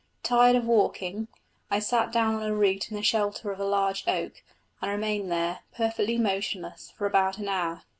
Tired of walking, I sat down on a root in the shelter of a large oak, and remained there perfectly motionless for about an hour.